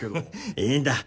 いいんだ。